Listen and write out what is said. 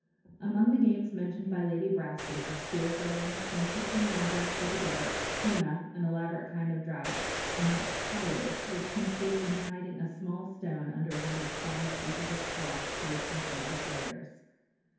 Among the games mentioned by Lady Brassey are spear throwing, transfixing an object with a dart, kona, an elaborate kind of draughts, and talu, which consists in hiding a small stone under one of five pieces of cloth placed in front of the players.